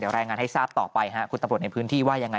รายงานให้ทราบต่อไปคุณตำรวจในพื้นที่ว่ายังไง